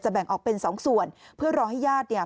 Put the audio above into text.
แบ่งออกเป็นสองส่วนเพื่อรอให้ญาติเนี่ย